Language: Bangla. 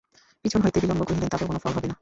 পিছন হইতে বিল্বন কহিলেন, তাতেও কোনো ফল হবে না।